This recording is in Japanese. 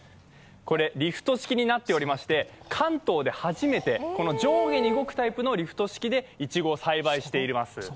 リフト式になっておりまして関東で初めて、上下に動くタイプのリフト式でいちごを栽培しています。